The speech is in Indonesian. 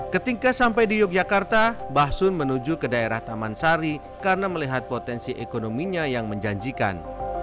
ketika sampai di yogyakarta basun menuju ke daerah taman sari karena melihat potensi ekonominya yang menjanjikan